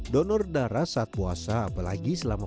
donor darah saat puasa